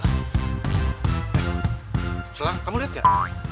haikal selang kamu lihat gak